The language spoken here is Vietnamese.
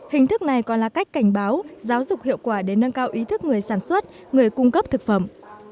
hình thức này còn là cách cảnh báo giáo dục hiệu quả để nâng cao ý thức người sản xuất người cung cấp thực phẩm